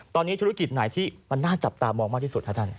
ตอนนี้ธุรกิจไหนที่มันน่าจับตามองมากที่สุดครับท่าน